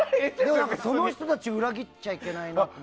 その人たち裏切っちゃいけないなと思って。